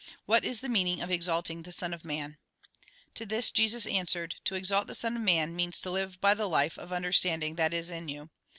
What is the meaning of exalting the Son of Man ?" To this Jesus answered :" To exalt the Son of Man, means to live by the life of understanding that is in you.